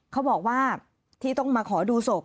เขาบอกว่าที่ต้องมาขอดูศพ